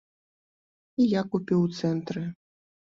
І я купіў у цэнтры.